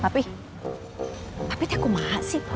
papi tapi takut banget sih